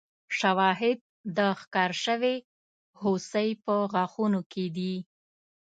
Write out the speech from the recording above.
شواهد د ښکار شوې هوسۍ په غاښونو کې دي.